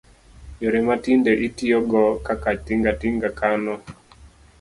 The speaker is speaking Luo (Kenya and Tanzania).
Yore ma tinde itiyogo kaka tinga tinga, kano